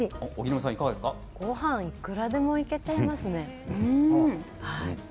ごはんいくらでもいけちゃいますね。